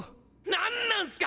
何なんすか！！